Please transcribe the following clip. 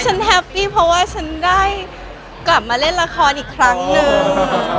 แฮปปี้เพราะว่าฉันได้กลับมาเล่นละครอีกครั้งหนึ่ง